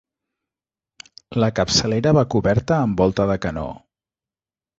La capçalera va coberta amb volta de canó.